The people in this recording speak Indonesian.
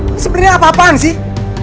ini sebenarnya apa apaan sih